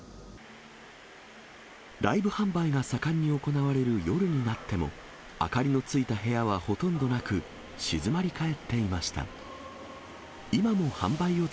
ライブ販売が盛んに行われる夜になっても、明かりのついた部屋はほとんどなく、静まりかえっていました。